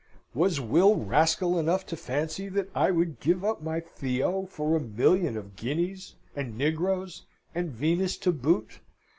Was Will rascal enough to fancy that I would give up my Theo for a million of guineas, and negroes, and Venus to boot?